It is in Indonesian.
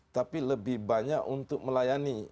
tapi lebih banyak untuk melayani